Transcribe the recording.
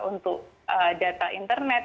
untuk data internet